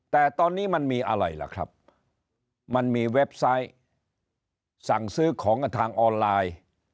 แต่ตอนนี้มันมีอะไรล่ะครับมันมีเว็บไซต์สั่งซื้อของกันทางออนไลน์